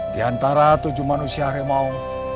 di antara tujuh manusia harimau